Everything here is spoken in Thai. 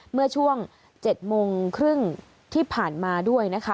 เมื่อช่วง๗โมงครึ่งที่ผ่านมาด้วยนะคะ